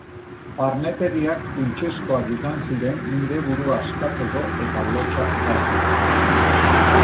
Barnetegiak funtsezkoak izan ziren nire burua askatzeko eta lotsa galtzeko.